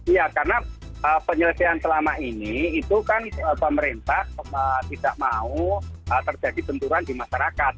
ya karena penyelesaian selama ini itu kan pemerintah tidak mau terjadi benturan di masyarakat